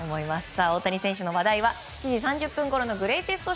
さあ、大谷選手の話題は７時３０分ごろのグレイテスト